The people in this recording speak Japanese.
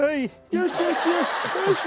よしよしよし。